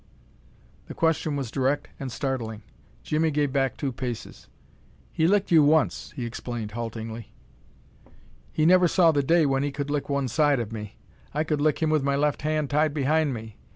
The question was direct and startling. Jimmie gave back two paces. "He licked you once," he explained, haltingly. "He never saw the day when he could lick one side of me. I could lick him with my left hand tied behind me.